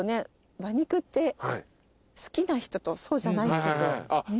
馬肉って好きな人とそうじゃない人と。